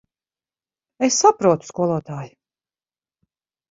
Es saprotu, skolotāj.